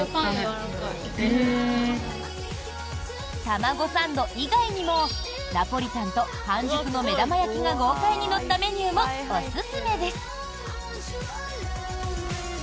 卵サンド以外にもナポリタンと半熟の目玉焼きが豪快に乗ったメニューもおすすめです。